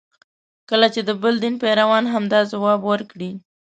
کله چې د بل دین پیروان همدا ځواب ورکړي.